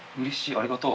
ありがとう。